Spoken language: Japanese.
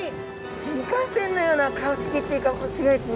新幹線のような顔つきっていうかすギョいですね。